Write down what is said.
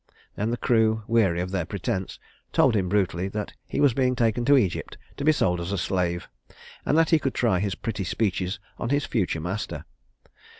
Then the crew, weary of their pretense, told him brutally that he was being taken to Egypt to be sold as a slave; and that he could try his pretty speeches on his future master.